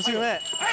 はい！